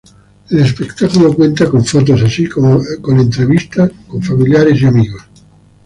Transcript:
El espectáculo cuenta con fotos, así como entrevistas con familiares y amigos.